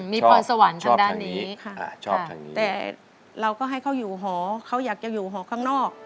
มีพรสวรรค์ทางด้านนี้ค่ะแต่เราก็ให้เขาอยู่หอเขาอยากจะอยู่หอข้างนอก